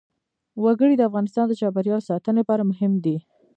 وګړي د افغانستان د چاپیریال ساتنې لپاره مهم دي.